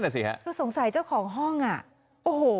คือสงสัยเจ้าของห้องโอ้โห